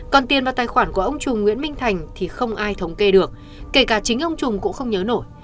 còn tiền vào tài khoản của ông chùm nguyễn minh thành thì không ai thống kê được kể cả chính ông trùng cũng không nhớ nổi